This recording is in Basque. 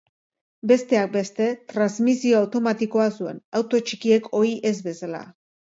Besteak beste, transmisio automatikoa zuen, auto txikiek ohi ez bezala.